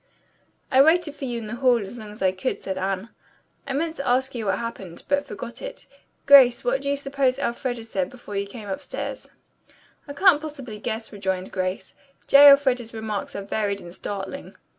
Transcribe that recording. "I waited for you in the hall as long as I could," said Anne. "I meant to ask you what happened, but forgot it. Grace, what do you suppose Elfreda said before you came upstairs?" "I can't possibly guess," rejoined Grace. "J. Elfreda's remarks are varied and startling."